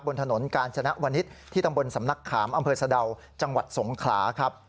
บนถนนกาญจนวนิษฐ์ที่ตำบลสำนักขามอำเภอสะดาวจังหวัดสงขลาครับ